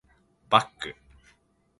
バック